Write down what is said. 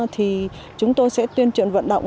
thì chúng tôi sẽ tuyên truyện vận động